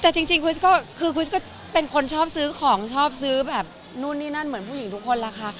แต่จริงคริสก็คือคริสก็เป็นคนชอบซื้อของชอบซื้อแบบนู่นนี่นั่นเหมือนผู้หญิงทุกคนล่ะค่ะ